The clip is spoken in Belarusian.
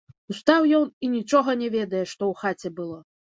Устаў ён і нічога не ведае, што ў хаце было.